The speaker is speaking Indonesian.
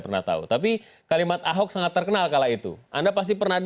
terima kasih iyai mbak af woman syukur jelaskan semua member lips knew he'se